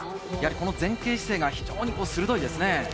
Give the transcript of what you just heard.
前傾姿勢が鋭いですね。